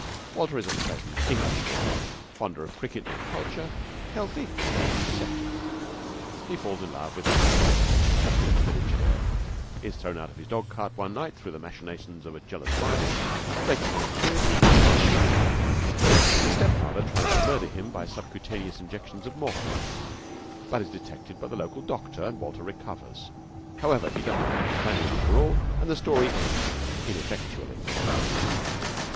Walter is a pleasant English boy, fonder of cricket than of culture, healthy, happy and susceptible. He falls in love with Fanny Taylor, a pretty village girl; is thrown out of his dog cart one night through the machinations of a jealous rival, breaks one of his ribs and gets a violent fever. His stepfather tries to murder him by subcutaneous injections of morphia but is detected by the local doctor, and Walter recovers. However, he does not marry Fanny after all, and the story ends ineffectually.